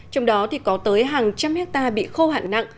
trong đó có tới hàng trăm hectare bị khô hạn nặng